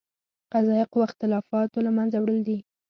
قضائیه قوه اختلافاتو له منځه وړل دي.